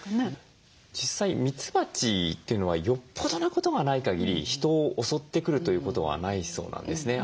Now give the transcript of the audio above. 実際ミツバチというのはよっぽどのことがないかぎり人を襲ってくるということはないそうなんですね。